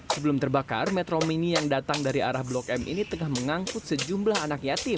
sebelum terbakar metro mini yang datang dari arah blok m ini tengah mengangkut sejumlah anak yatim